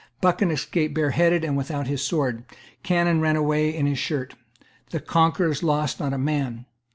Buchan escaped bareheaded and without his sword. Cannon ran away in his shirt. The conquerors lost not a man.